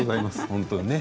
本当にね。